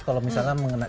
kalau misalnya mengenai